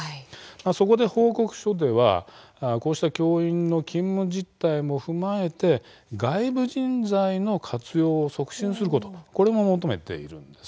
そこで報告書ではこうした教員の勤務実態も踏まえて外部人材の活用促進もすることも求めているんです。